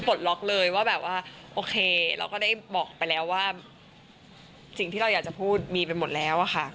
ปลดล็อกเลยว่าแบบว่าโอเคเราก็ได้บอกไปแล้วว่าสิ่งที่เราอยากจะพูดมีไปหมดแล้วอะค่ะ